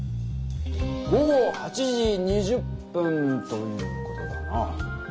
午後８時２０分という事だな。